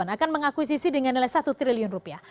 akan mengakuisisi dengan nilai satu triliun rupiah